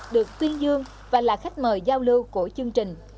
được tuyên dương và là khách mời giao lưu của chương trình